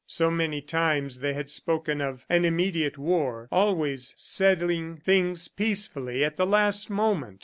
So many times they had spoken of an immediate war, always settling things peacefully at the last moment!